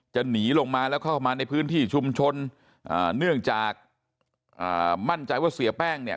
จะหนีลงมาแล้วเข้ามาในพื้นที่ชุมชนอ่าเนื่องจากอ่ามั่นใจว่าเสียแป้งเนี่ย